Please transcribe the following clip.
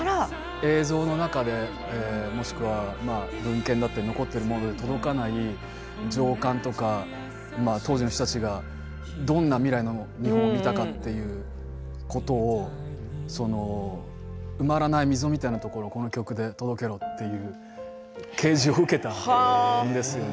映像の中でもしくは文献だったりで残っているもので届かない共感とか当時の人たちがどんな未来の日本を見たかということを埋まらない溝みたいなことをこの曲で届けろという啓示を受けたんですよね。